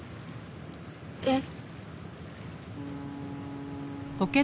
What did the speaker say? えっ？